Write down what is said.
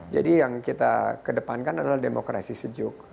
jadi yang kita kedepankan adalah demokrasi sejuk